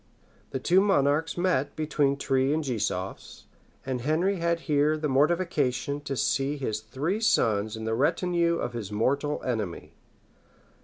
The two monarchs met between Trie and Gisofs; and Henry had here the mortification to see his three sons in the retinue of his mortal enemy.